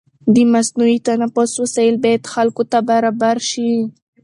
د مصنوعي تنفس وسایل باید خلکو ته برابر شي.